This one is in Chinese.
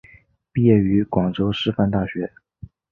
毕业于广州师范大学。